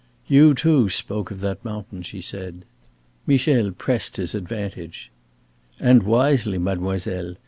"You too spoke of that mountain," she said. Michel pressed his advantage. "And wisely, mademoiselle.